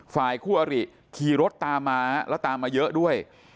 ฝ่ายคู่อริขี่รถตามมาแล้วตามมาเยอะด้วย